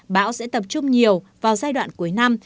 bão sẽ tập trung nhiều vào giai đoạn cuối năm